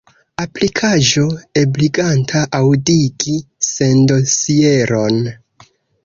Aplikaĵo ebliganta aŭdigi sondosieron.